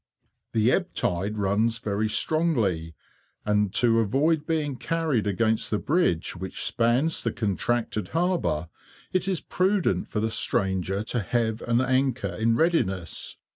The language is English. The ebb tide runs very strongly, and, to avoid being carried against the bridge which spans the contracted harbour, it is prudent for the stranger to have an anchor in readiness.